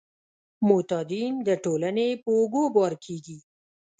معتادین د ټولنې په اوږو بار کیږي.